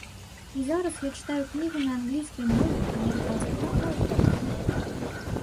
І зараз я чытаю кнігу на англійскай мове амерыканскага аўтара.